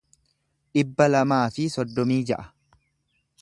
dhibba lamaa fi soddomii ja'a